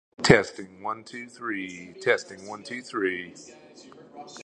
These cars were called "Abadal-Buicks".